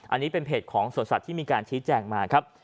อันนี้เป็นเพจของสวนสัตว์ที่มีการชี้แจงมาครับ